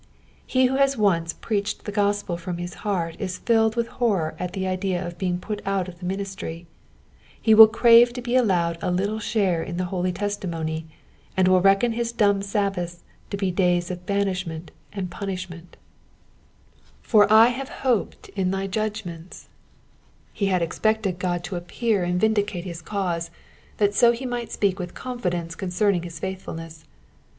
He who has once preached the gospel from his heart is filled with horror at the idea of being put out of the ministry ; he will crave to be allowed a little share in the holy testi mony, and will reckon his dumb Sabbaths to be days of banishment and punishment. Digitized by VjOOQIC PSALM ON'E HUNDBED AND KINETEEN— VEBSES 41 TO 48. 115 ^^For I have hpped in thy judgments,'*^ He had expected God to appear and vindicate his cause, that so he might speak with confidence concerning his faithfulness.